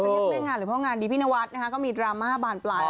จะเรียกแม่งานหรือผู้งานดีพินวาดนะฮะก็มีดราม่าบานปลาย